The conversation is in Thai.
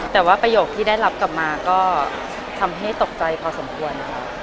แต่ว่าประโยคที่ได้รับกลับมาก็ทำให้ตกใจพอสมควร